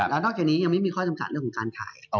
แล้วนอกจากนี้ยังไม่มีข้อจำกัดเรื่องของการขาย